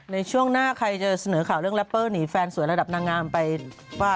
ในช่วงหน้าใครจะเสนอข่าวเรื่องแรปเปอร์หนีแฟนสวยระดับนางงามไปว่า